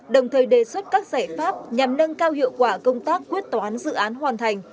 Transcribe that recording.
đồng thời đề xuất các giải pháp nhằm nâng cao hiệu quả công tác quyết toán dự án hoàn thành